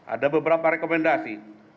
ada beberapa rekomendasi